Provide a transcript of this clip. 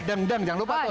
dem dem jangan lupa tuh